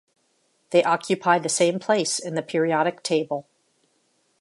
They occupy the same place in the periodic table.